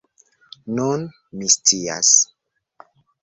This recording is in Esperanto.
Nun, mi scias.